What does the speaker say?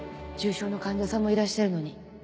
重症の患者さんもいらっしゃるのに。